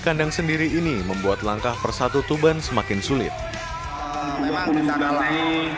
kelas yang memang pemain pemain kita di sekolah